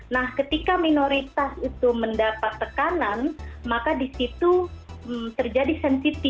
nah ketika minoritas itu mendapat tekanan maka disitu terjadi sensitif begitu ya